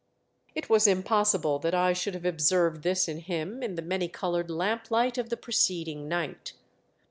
It was impossible that I should have observed this in him in the mani coloured lamplight of the preceding night.